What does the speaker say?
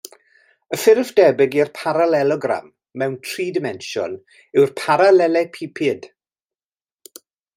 Y ffurf debyg i'r paralelogram, mewn tri dimensiwn yw'r paralelepiped.